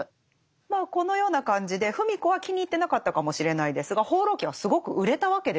まあこのような感じで芙美子は気に入ってなかったかもしれないですが「放浪記」はすごく売れたわけですよ。